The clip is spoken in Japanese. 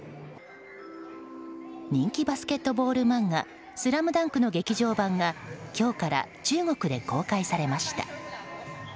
人気バスケットボール漫画「ＳＬＡＭＤＵＮＫ」の劇場版が今日から中国で公開されました。